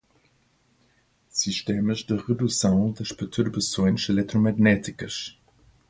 sistemas de redução das perturbações eletromagnéticas